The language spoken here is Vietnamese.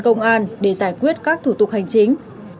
công an để giải quyết các thủ tục hành chính